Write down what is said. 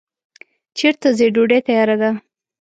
چیرته ځی ډوډی تیاره ده